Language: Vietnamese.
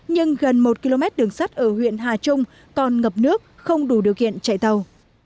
nhưng gần một km đường sắt ở huyện hà trung còn ngập nước không đủ điều kiện chạy tàu